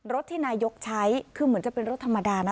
รถที่นายกใช้คือเหมือนจะเป็นรถธรรมดานะ